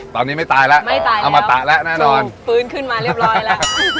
ตอนนี้ไม่ตายแล้วไม่ตายอมตะแล้วแน่นอนฟื้นขึ้นมาเรียบร้อยแล้ว